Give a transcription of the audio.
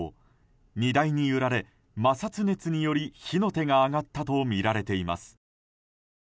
荷台に揺られ、摩擦熱により火の手が上がったとみられています。